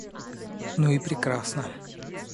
Ну и прекрасно.